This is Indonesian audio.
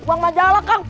uang majalah kak